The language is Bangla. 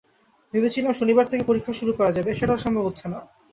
ভেবেছিলাম, শনিবার থেকে পরীক্ষা শুরু করা যাবে, সেটাও সম্ভব হচ্ছে না।